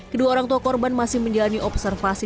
kedua orang tua korban masih menjalani observasi